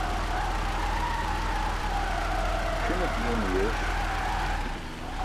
C̣ʰine ke iymo yeeś.